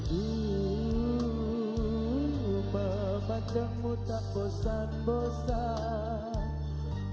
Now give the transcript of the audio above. ibu memandangmu tak bosan bosan